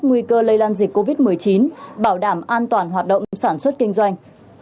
nguy cơ lây lan dịch covid một mươi chín bảo đảm an toàn hoạt động sản xuất kinh doanh